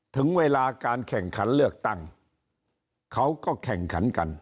ถึงเวลาการแข่งขันเลือกตั้งเขาก็แข่งขันกัน